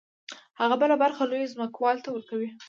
هغه بله برخه لوی ځمکوال ته ورکوي